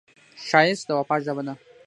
ښایست د وفا ژبه ده